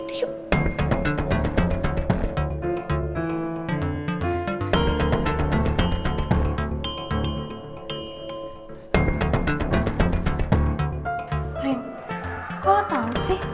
arim kau tau gak sih